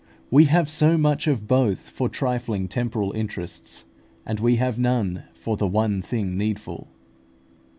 We have so much of both for trifling temporal interests, and we have none for the "one thing needful."